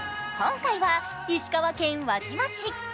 今回は石川県輪島市。